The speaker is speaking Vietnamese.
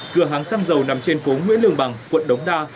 cửa hàng xăng dầu nằm trên phố nguyễn lương bằng quận đống đa